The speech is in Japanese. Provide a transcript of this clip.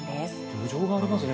慕情がありますね。